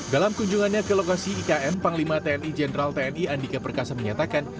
dalam kunjungannya ke lokasi ikm panglima tni jenderal tni andika perkasa menyatakan